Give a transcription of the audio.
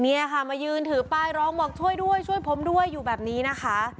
เนี่ยค่ะมายืนถือป้ายร้องบอกช่วยด้วยช่วยผมด้วยอยู่แบบนี้นะคะ